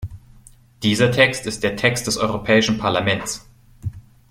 Dieser Text ist der Text des Europäischen Parlaments.